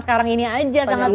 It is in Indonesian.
sekarang sekarang ini aja